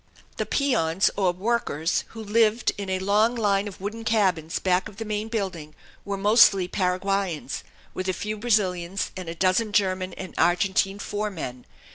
The peons, or workers, who lived in a long line of wooden cabins back of the main building, were mostly Paraguayans, with a few Brazilians, and a dozen German and Argentine foremen.